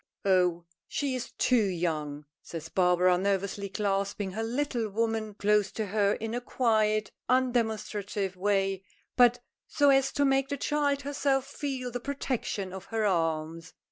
"Oh! she is too young," says Barbara, nervously clasping her little woman close to her in a quiet, undemonstrative way, but so as to make the child herself feel the protection of her arms.